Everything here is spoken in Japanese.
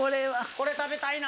これ食べたいな。